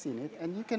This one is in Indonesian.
dan kita bisa berjalan